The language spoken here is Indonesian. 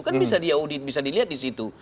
kan bisa diaudit bisa dilihat di situ